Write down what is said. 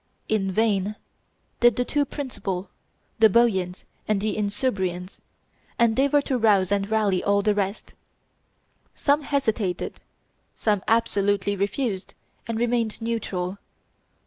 In vain did the two principal, the Boians and the Insubrians, endeavor to rouse and rally all the rest: some hesitated; some absolutely refused, and remained neutral.